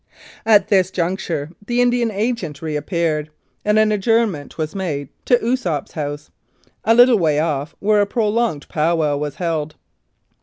At this juncture the Indian Agent reappeared, and an adjournment was made to Osoup's house, a little way off, where a prolonged "pow wow " was held.